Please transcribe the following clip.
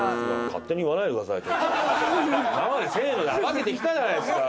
今まで「せーの」で合わせてきたじゃないですか！